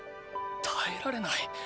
耐えられない。